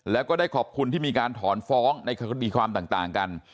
แล้วก็ได้ขอบคุณที่มีการถอนฟ้องในคดีความต่างกัน